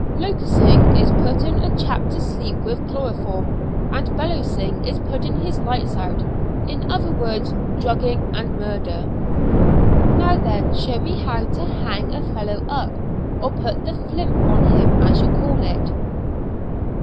'" "Locusing is putting a chap to sleep with chloroform, and bellowsing is putting his light out. In other words, drugging and murder." "Now then, shew me how to hang a fellow up, or put the 'flimp' on him, as you call it."